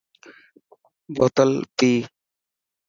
بوتل پئي.